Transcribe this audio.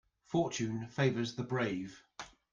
Fortune favours the brave.